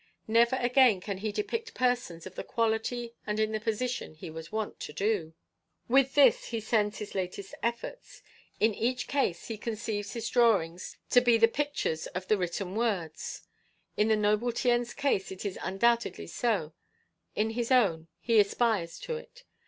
Never again can he depict persons of the quality and in the position he was wont to do. "With this he sends his latest efforts. In each case he conceives his drawings to be the pictures of the written words; in the noble Tien's case it is undoubtedly so, in his own he aspires to it.